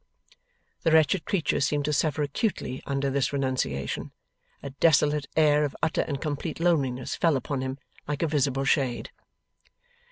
The wretched creature seemed to suffer acutely under this renunciation. A desolate air of utter and complete loneliness fell upon him, like a visible shade.